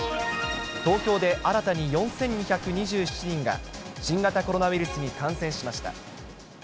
東京で新たに４２２７人が新型コロナウイルスに感染しました。